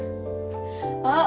あっ。